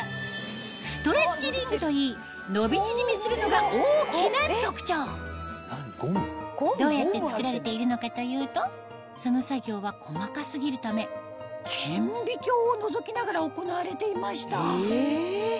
ストレッチリングといい伸び縮みするのが大きな特徴どうやって作られているのかというとその作業は細か過ぎるため顕微鏡をのぞきながら行われていました